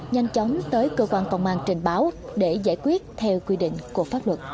nhanh chóng tới cơ quan công an trình báo để giải quyết theo quy định của pháp luật